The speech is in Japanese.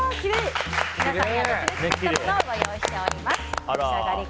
皆さんには別で作ったものをご用意しております。